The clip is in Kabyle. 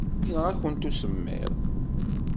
Yenɣa-ken usemmiḍ.